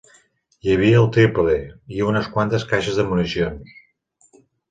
Hi havia el trípode, i unes quantes caixes de municions